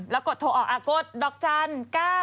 แล้วกดโทรออกกดดอกจันทร์๙๙